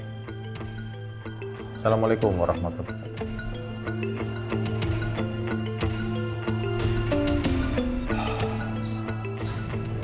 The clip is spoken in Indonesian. assalamualaikum warahmatullahi wabarakatuh